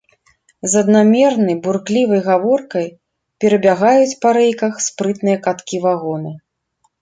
З аднамернай бурклівай гаворкай перабягаюць па рэйках спрытныя каткі вагона.